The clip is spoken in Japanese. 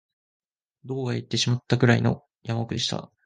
どこかへ行ってしまったくらいの山奥でした